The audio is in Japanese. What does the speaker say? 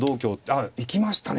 あ行きましたね